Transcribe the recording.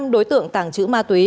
năm đối tượng tảng chữ ma túy